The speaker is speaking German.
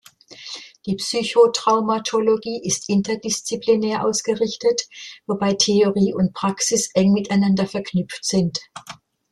Die Psychotraumatologie ist interdisziplinär ausgerichtet, wobei Theorie und Praxis eng miteinander verknüpft sind.